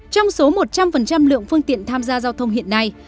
trong số một trăm linh lượng phương tiện tham gia giao thông hiện nay